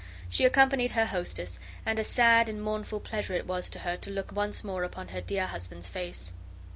She accompanied her hostess; and a sad and mournful pleasure it was to her to look once more upon her dear husband's face.